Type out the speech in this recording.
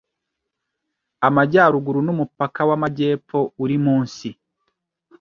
Amajyaruguru numupaka w’amajyepfo uri munsi